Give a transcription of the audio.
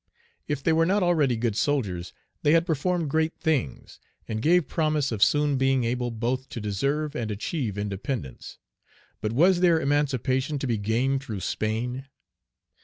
If they were not already good soldiers, they had performed great things, and gave promise of soon being able both to deserve and achieve independence. But was their emancipation to be gained through Spain?